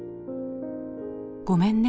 「ごめんね。